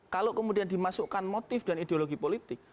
kalau kemudian dimasukkan motif dan ideologi politik